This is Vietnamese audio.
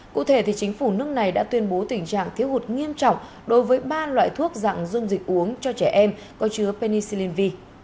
cụ thể chính phủ nước này đã tuyên bố tình trạng thiếu hụt nghiêm trọng đối với ba loại thuốc dạng dung dịch uống cho trẻ em có chứa pennicilivi